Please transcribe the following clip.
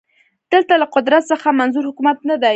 دلته له قدرت څخه منظور حکومت نه دی